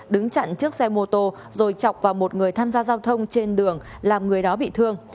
đứng chặn chiếc xe mô tô rồi chọc vào một người tham gia giao thông trên đường làm người đó bị thương